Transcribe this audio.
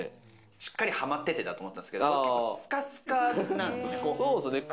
しっかりハマっててだと思ったんですけど、結構スカスカなんですね。